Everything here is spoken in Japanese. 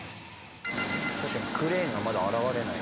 確かにクレーンがまだ現れない。